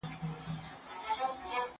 خداى به خوښ هم له سر کار هم له قاضي وي